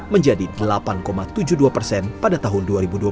menjadi delapan tujuh puluh dua persen pada tahun dua ribu dua puluh